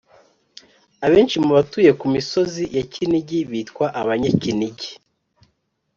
Abenshi mu batuye ku misozi ya Kinigi bitwa Abanyakinigi.